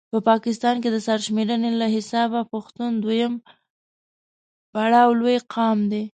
په پاکستان کې د سر شميرني له حسابه پښتون دویم پړاو لوي قام دی